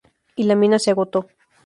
Y la mina se agotó.